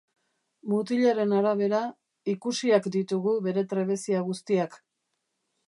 Mutilaren arabera, ikusiak ditugu bere trebezia guztiak.